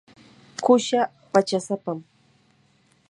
qusaa pachasapam.